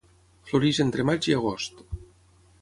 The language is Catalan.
Floreix entre maig i agost.